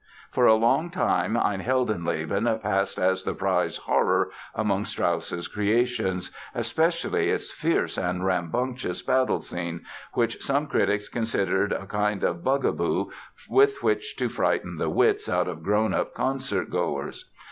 For a long time Ein Heldenleben passed as the prize horror among Strauss's creations, especially its fierce and rambunctious battle scene, which some critics considered a kind of bugaboo with which to frighten the wits out of grown up concertgoers!